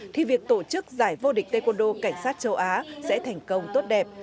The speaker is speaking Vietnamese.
thì việc tổ chức giải vô địch taekwondo cảnh sát châu á sẽ thành công tốt đẹp